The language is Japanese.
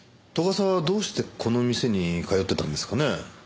沢はどうしてこの店に通ってたんですかね？